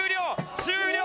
終了。